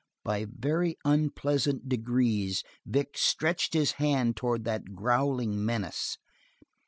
By very unpleasant degrees, Vic stretched his hand towards that growling menace.